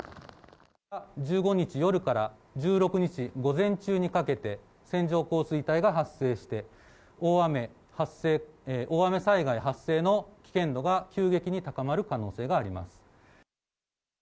１５日夜から１６日午前中にかけて、線状降水帯が発生して、大雨災害発生の危険度が急激に高まる可能性があります。